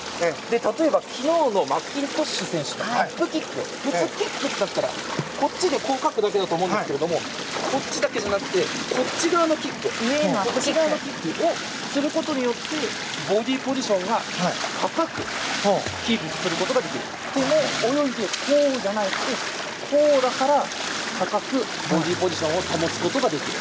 例えば昨日のマッキントッシュ選手のキック、普通キックはこっちでかくだけだと思うんですけどこっちだけじゃなくて上側のキックをすることによってボディーポジションが高くキックすることができるというのを泳いでこうじゃなくて、こうだから高くボディーポジションを保つことができる。